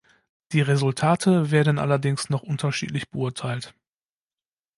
Die Resultate werden allerdings noch unterschiedlich beurteilt.